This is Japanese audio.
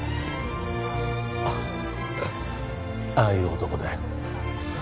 ああいう男だよ